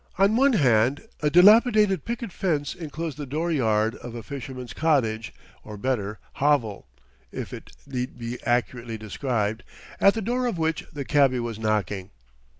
On one hand a dilapidated picket fence enclosed the door yard of a fisherman's cottage, or, better, hovel, if it need be accurately described at the door of which the cabby was knocking.